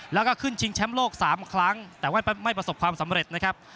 แล้วก็ขึ้นชิงแชมป์โลก๓ครั้งแต่ว่าไม่ประสบความสำเร็จนะครับ